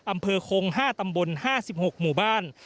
อำเภอคง๕ตำบล๕๖หมู่บ้าน